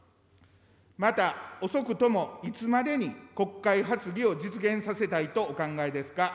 また、遅くともいつまでに国会発議を実現させたいとお考えですか。